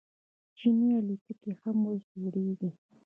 چیني الوتکې هم اوس جوړیږي.